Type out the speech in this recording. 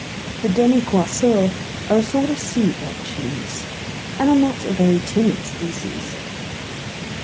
The "déniquoiseaux" are a sort of sea urchins, and are not a very timid species.